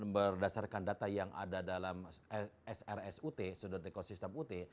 berdasarkan data yang ada dalam srsut sudut ekosistem ut